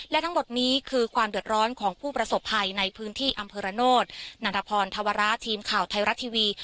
และทั้งหมดนี้คือความเดือดร้อนของผู้ประสบภัยในพื้นที่อำเภอระโนธนันทพรธวระทีมข่าวไทยรัฐทีวี